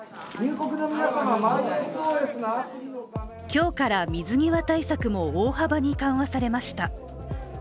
今日から水際対策も大幅に緩和されました。